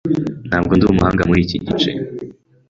Ntabwo ndi umuhanga muriki gice.